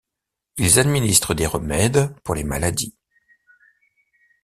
Ils administrent des remèdes pour les maladies.